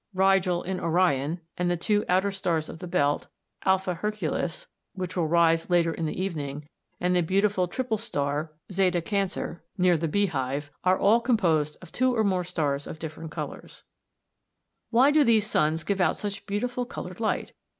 Rigel in Orion, and the two outer stars of the belt, [Greek: a] Herculis, which will rise later in the evening, and the beautiful triple star ([Greek: z] Cancer) near the Beehive (see Fig. 54), are all composed of two or more stars of different colours. Why do these suns give out such beautiful coloured light?